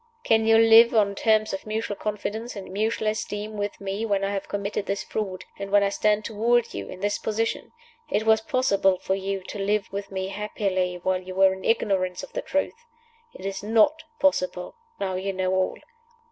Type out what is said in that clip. "Can you live on terms of mutual confidence and mutual esteem with me when I have committed this fraud, and when I stand toward you in this position? It was possible for you to live with me happily while you were in ignorance of the truth. It is not possible, now you know all.